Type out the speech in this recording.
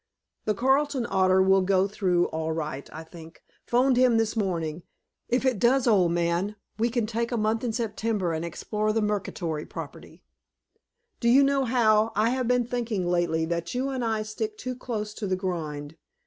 The Carlton order will go through all right, I think. Phoned him this morning. If it does, old man, we will take a month in September and explore the Mercator property. Do you know, Hal, I have been thinking lately that you and I stick too close to the grind.